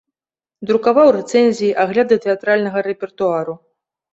Друкаваў рэцэнзіі, агляды тэатральнага рэпертуару.